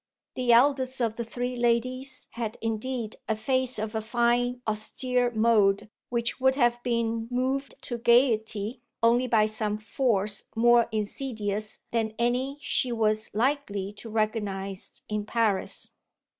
The eldest of the three ladies had indeed a face of a fine austere mould which would have been moved to gaiety only by some force more insidious than any she was likely to recognise in Paris.